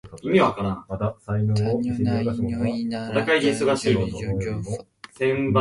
Tanya nayo ina ladha nzuri inayopendelewa na walaji wengi